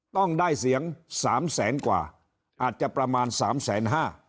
ต้องได้เสียงสามแสนกว่าอาจจะประมาณสามแสนห้า